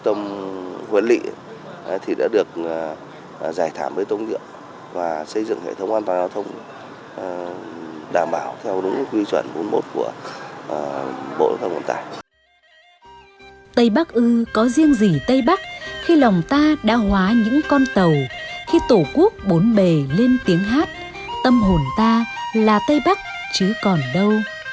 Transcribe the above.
tây bắc ư có riêng gì tây bắc khi lòng ta đã hóa những con tàu khi tổ quốc bốn bề lên tiếng hát tâm hồn ta là tây bắc chứ còn đâu